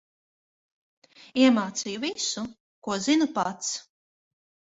Iemācīju visu, ko zinu pats.